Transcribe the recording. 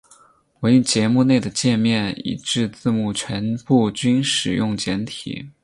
唯节目内的介面以至字幕全部均使用简体字。